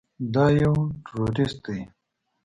دا يو ټروريست دى.